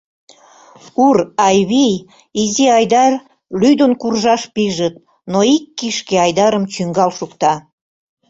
Ур, Айвий, изи Айдар лӱдын куржаш пижыт, но ик кишке Айдарым чӱҥгал шукта.